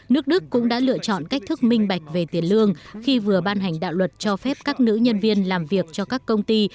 nước đức cũng đã lựa chọn cách thức minh bạch về tiền lương khi vừa ban hành đạo luật cho phép các nữ nhân viên làm việc cho các công ty